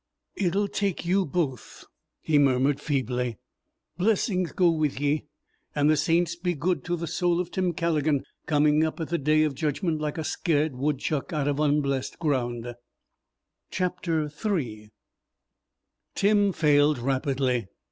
"It'll take you both," he murmured feebly. "Blessings go with ye, and the saints be good to the soul of Tim Calligan, coming up at the Day of Judgment like a scared woodchuck out of unblessed ground!" III Tim failed rapidly.